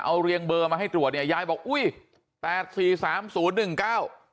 เอาเรียงเบอร์มาให้ตรวจเนี่ยยายบอกอุ้ยแปดสี่สามศูนย์หนึ่งเก้า